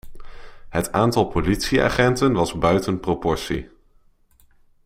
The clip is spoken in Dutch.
Het aantal politieagenten was buiten proportie.